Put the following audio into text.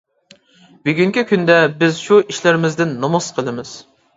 بۈگۈنكى كۈندە بىز شۇ ئىشلىرىمىزدىن نومۇس قىلىمىز.